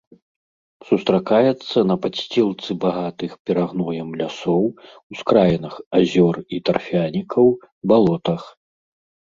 Сустракаецца на падсцілцы багатых перагноем лясоў, ускраінах азёр і тарфянікаў, балотах.